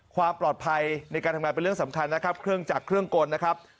ความปลอดภัยในการทำงานเป็นเรื่องสำคัญนะครับเครื่องจักรเครื่องกลนะครับ